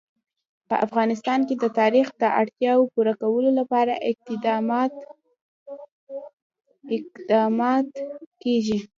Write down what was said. په افغانستان کې د تاریخ د اړتیاوو پوره کولو لپاره اقدامات کېږي.